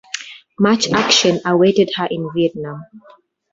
Much action awaited her in Vietnam.